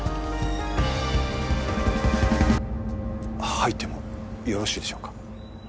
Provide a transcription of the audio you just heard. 入ってもよろしいでしょうか？